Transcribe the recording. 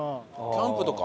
キャンプとか？